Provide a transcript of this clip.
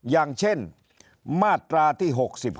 อย่างเช่นมาตราที่๖๖